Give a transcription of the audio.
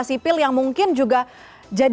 sipil yang mungkin juga jadi